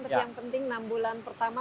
tapi yang penting enam bulan pertama